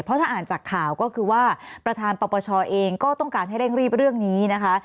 เพราะถ้าอ่านจากข่าวก็คือว่าประธานปปชเองก็ต้องการให้เร่งรีบเรื่องนี้นะคะ